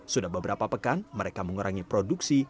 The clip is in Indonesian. sudah beberapa pekan mereka mengurangi produksi